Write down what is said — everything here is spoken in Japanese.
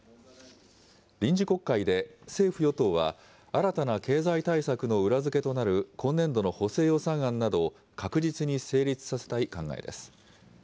臨時国会で政府・与党は、新たな経済対策の裏付けとなる今年度の補正予算案などを確実に成立させたい考えです。